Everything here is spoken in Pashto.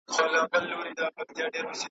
اوس آخره زمانه ده په انسان اعتبار نسته .